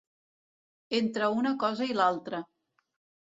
Entre una cosa i l'altra.